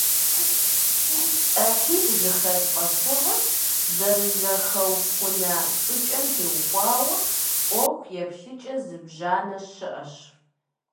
ӀыхьитӀу зэхэт фӀэщыгъэр зэрызэхэухуэна щӀыкӀэм теухуауэ Ӏуэху еплъыкӀэ зыбжанэ щыӀэщ.